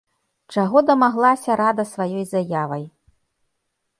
Чаго дамаглася рада сваёй заявай?